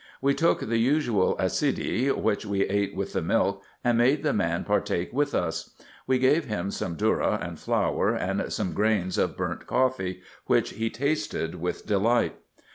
We took the usual accide, which we ate with the milk, and made the man partake with us : we gave him some dhourra and flour, and some grains of burnt coffee, which he tasted with delight.